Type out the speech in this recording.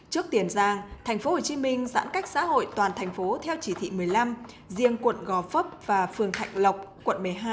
trước tiền giang thành phố hồ chí minh giãn cách xã hội toàn thành phố theo chỉ thị một mươi năm riêng quận gò phấp và phường thạnh lộc quận một mươi hai